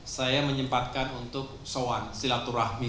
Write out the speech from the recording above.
saya menyempatkan untuk soan silaturahmi